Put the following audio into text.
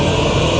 aku mau ke rumah